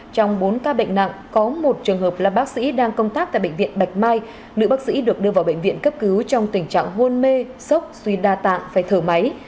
trong bốn ca bệnh nặng có một trường hợp là bác sĩ đang công tác tại bệnh viện bạch mai nữ bác sĩ được đưa vào bệnh viện cấp cứu trong tình trạng hôn mê sốc suy đa tạng phải thở máy